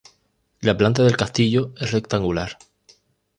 La planta del castillo es rectangular.